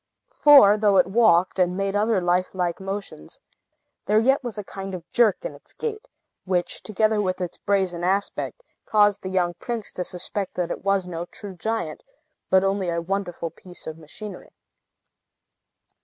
For, though it walked, and made other lifelike motions, there yet was a kind of jerk in its gait, which, together with its brazen aspect, caused the young prince to suspect that it was no true giant, but only a wonderful piece of machinery.